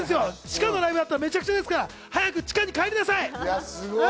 地下のライブだと、めちゃくちゃですから、早く地下に帰りなさい！